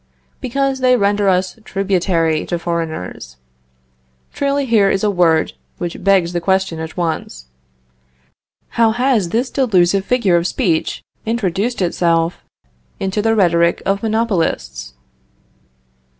Because they render us tributary to foreigners. Truly here is a word, which begs the question at once. How has this delusive figure of speech introduced itself into the rhetoric of monopolists?